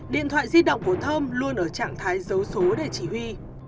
điện thoại di động của thơm luôn ở trạng thái dấu số để chỉ huy